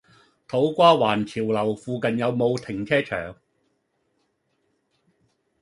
土瓜灣潮樓附近有無停車場？